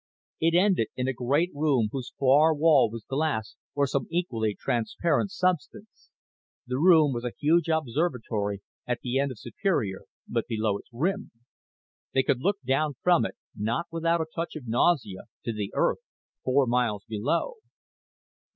It ended in a great room whose far wall was glass or some equally transparent substance. The room was a huge observatory at the end of Superior but below its rim. They could look down from it, not without a touch of nausea, to the Earth four miles below.